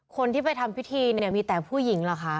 คนที่ไปทำพิธีมีแต่ผู้หญิงหรือคะ